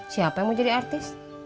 siapa yang mau jadi artis